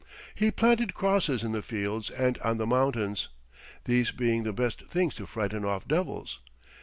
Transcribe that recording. "He planted crosses in the fields and on the mountains, these being the best things to frighten off devils."